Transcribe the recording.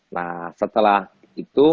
nah setelah itu